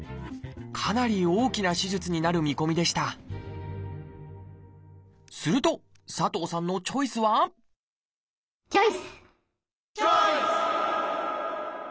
かなり大きな手術になる見込みでしたすると佐藤さんのチョイスはチョイス！